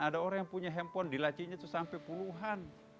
ada orang yang punya handphone dilacinya itu sampai puluhan